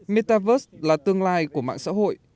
metaverse là tương lai của mạng xã hội